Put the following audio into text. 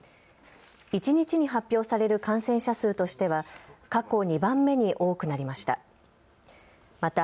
一日に発表される感染者数としては過去２番目に多くなりました。